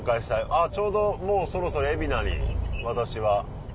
あっちょうどもうそろそろ海老名に私は。